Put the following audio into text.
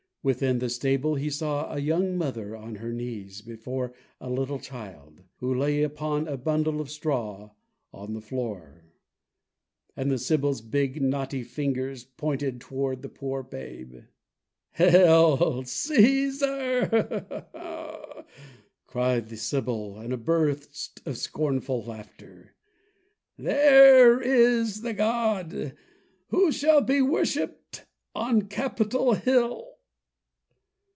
Within the stable he saw a young mother on her knees before a little child, who lay upon a bundle of straw on the floor. And the sibyl's big, knotty fingers pointed toward the poor babe. "Hail, Cæsar!" cried the sibyl, in a burst of scornful laughter. "There is the god who shall be worshiped on Capitol Hill!"